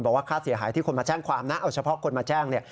ค่าเสียหายที่คนมาแจ้งความนะเอาเฉพาะคนมาแจ้งเนี่ย